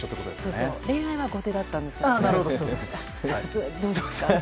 恋愛は後手だったんですけどね。